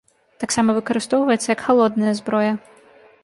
Таксама выкарыстоўваецца як халодная зброя.